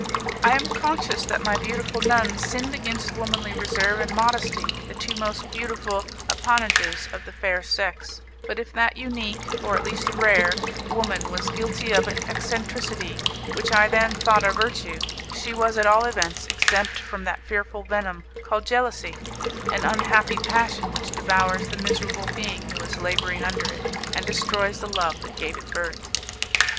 I am conscious that my beautiful nun sinned against womanly reserve and modesty, the two most beautiful appanages of the fair sex, but if that unique, or at least rare, woman was guilty of an eccentricity which I then thought a virtue, she was at all events exempt from that fearful venom called jealousy an unhappy passion which devours the miserable being who is labouring under it, and destroys the love that gave it birth.